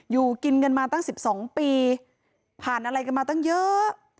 อยู่กินกันมาตั้ง๑๒ปีผ่านอะไรกันมาตั้งเยอะ